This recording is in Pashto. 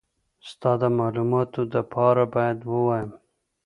ستا د مالوماتو دپاره بايد ووايم.